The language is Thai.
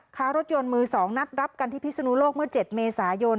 ค้ารถยนต์มือ๒นัดรับกันที่พิศนุโลกเมื่อ๗เมษายน